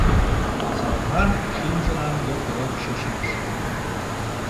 Саван шӱмжылан йокрок чучеш...